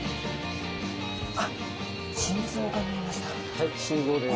はい心臓です。